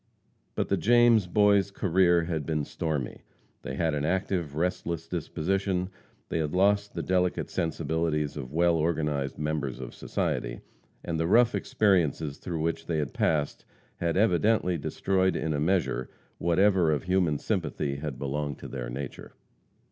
But the James boys' career had been stormy; they had an active, restless disposition; they had lost the delicate sensibilities of well organized members of society, and the rough experiences through which they had passed had evidently destroyed, in a measure, whatever of human sympathy had belonged to their nature.